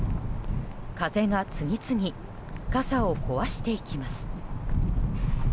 風が次々、傘を壊していきます。